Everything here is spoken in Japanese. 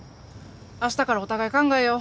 あしたからお互い考えよう。